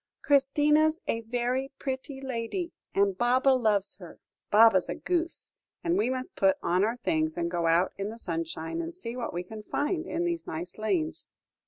"Christina's a very pretty lady, and Baba loves her." "Baba's a goose, and we must put on our things and go out in the sunshine and see what we can find in these nice lanes."